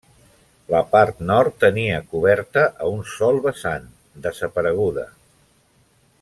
La part nord tenia coberta a un sol vessant, desapareguda.